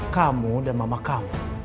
kamu dan mama kamu